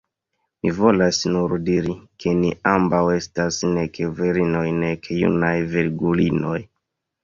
Mi volas nur diri, ke ni ambaŭ estas nek virinoj, nek junaj virgulinoj.